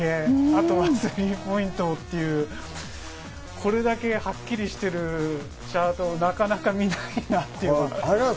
あとはスリーポイントという、これだけはっきりしているチャートもなかなか見ないなっていう。